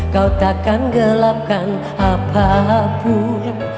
kau takkan gelapkan apapun